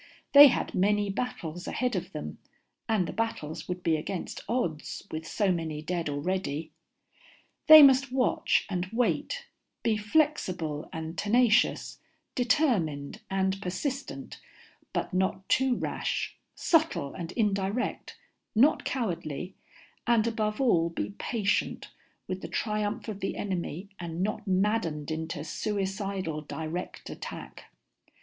They had many battles ahead of them, and the battles would be against odds, with so many dead already. They must watch and wait, be flexible and tenacious, determined and persistent but not too rash, subtle and indirect not cowardly, and above all be patient with the triumph of the enemy and not maddened into suicidal direct attack.